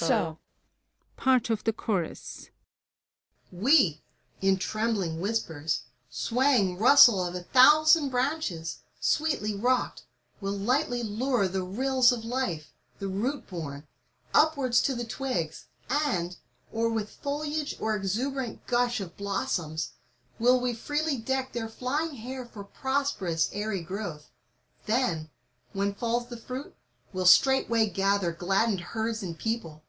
A PART OF THE CHORUS. We, in trembling whispers, swaying rustle of a thou sand branches Sweetly rocked, will lightly lure the rills of life, the rootbom, upwards To the twigs; and, or with foliage or exuberant gush of blossoms, Will we freely deck their flying hair for prosperous airy growth. Then, when falls the fruit, will straightway gather gladdened herds and people.